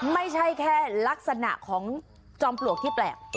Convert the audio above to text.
ไม่ใช่แค่ลักษณะของจอมปลวกที่แปลก